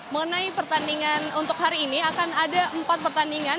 mengenai pertandingan untuk hari ini akan ada empat pertandingan